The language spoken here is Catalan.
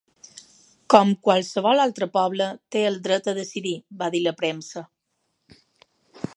Com qualsevol altre poble, té el dret a decidir, va dir a la premsa.